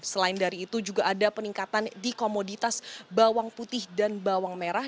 selain dari itu juga ada peningkatan di komoditas bawang putih dan bawang merah